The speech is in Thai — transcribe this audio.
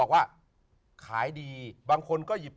คิกคิกคิกคิกคิก